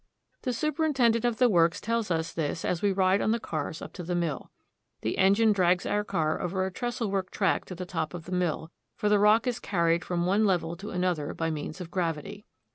The superintendent of the works tells us this as we ride on the cars up to the mill. The engine drags our car over a trestlework track to the top of the mill, for the rock is carried from one level to another by means of gravity.